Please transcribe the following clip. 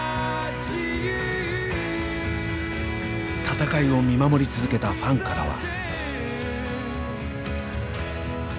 戦いを見守り続けたファンからは。